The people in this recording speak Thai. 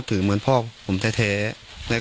การแก้เคล็ดบางอย่างแค่นั้นเอง